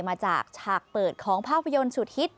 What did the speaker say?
มาจากฉากเปิดของภาพยนตร์สุดฮิต